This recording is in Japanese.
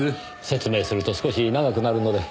説明すると少し長くなるので。